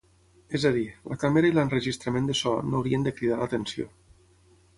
És a dir, la càmera i l'enregistrament de so no haurien de cridar l'atenció.